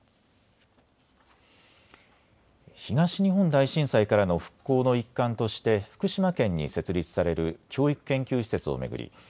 東日本大震災からの復興の一環として福島県に設立される教育研究施設を巡り